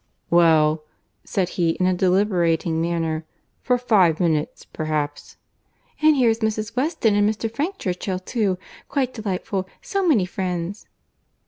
"Well," said he, in a deliberating manner, "for five minutes, perhaps." "And here is Mrs. Weston and Mr. Frank Churchill too!—Quite delightful; so many friends!"